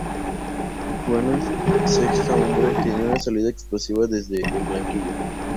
Jugando de sexto hombre, tenía una salida explosiva desde el banquillo.